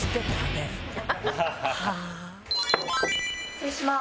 失礼します。